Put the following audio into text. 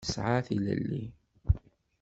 Nesɛa tilelli.